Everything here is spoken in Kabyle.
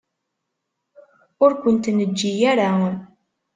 Ur kent-neǧǧi ara.